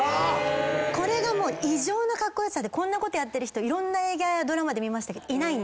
これがもう異常なカッコ良さでこんなことやってる人いろんな映画やドラマで見たけどいない。